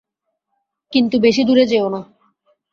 কিন্তু বেশি দূরে যেওনা।